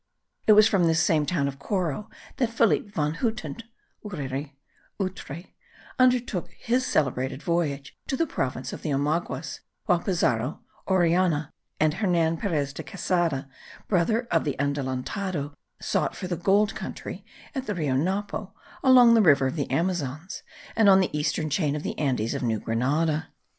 It was from this same town of Coro that Felipe von Huten (Urre, Utre) undertook his celebrated voyage to the province of the Omaguas, while Pizarro, Orellana, and Hernan Perez de Quesada, brother of the Adelantado, sought for the gold country at the Rio Napo, along the river of the Amazons, and on the eastern chain of the Andes of New Grenada.